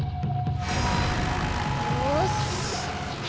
よし！